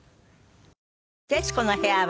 『徹子の部屋』は